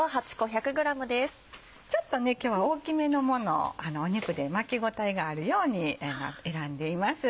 ちょっと今日は大きめのものを肉で巻き応えがあるように選んでいます。